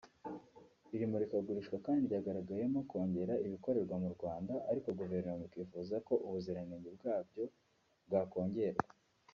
Iri murikagurisha kandi ryagaragayemo kongera ibikorerwa mu Rwanda ariko Guverinoma ikifuza ko ubuziranenge bwabyo bwakongerwa